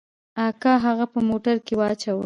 اکا هغه په موټر کښې واچاوه.